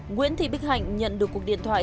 nguyễn thị bích hạnh nhận được cuộc điện thoại